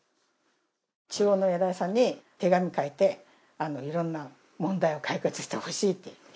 中央の偉いさんに手紙書いていろんな問題を解決してほしいって。